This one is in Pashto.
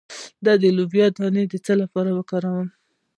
د لوبیا دانه د څه لپاره وکاروم؟